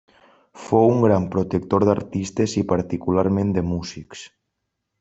Fou un gran protector d'artistes i particularment de músics.